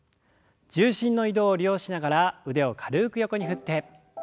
重心の移動を利用しながら腕を軽く横に振って。